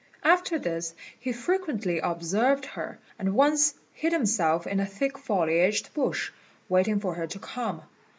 After this he frequently observed her, and once hid himself in a thick foliaged bush, waiting for her to come.